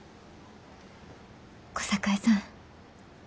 小堺さん。